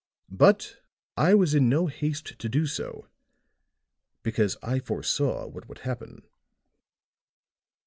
But I was in no haste to do so, because I foresaw what would happen."